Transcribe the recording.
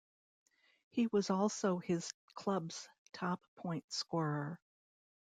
He was also his club's top point scorer.